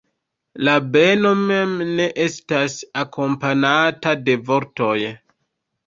La beno mem ne estas akompanata de vortoj.